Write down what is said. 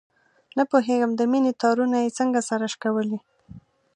نه پوهېږم د مینې تارونه یې څنګه سره شکولي.